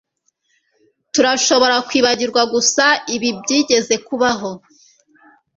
Turashobora kwibagirwa gusa ibi byigeze kubaho